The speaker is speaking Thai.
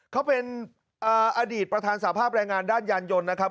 เขาเป็นอดีตประธานสภาพแรงงานด้านยานยนต์นะครับ